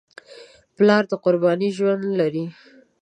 پلار د قربانۍ ژوند لري.